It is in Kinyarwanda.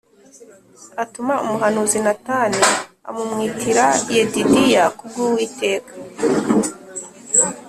atuma umuhanuzi Natani amumwitira Yedidiya, ku bw’Uwiteka.